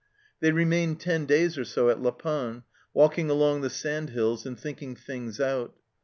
They remained ten days or so at La Panne, walking along the sandhills and thinking things out.